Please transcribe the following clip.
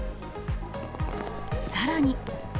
さらに。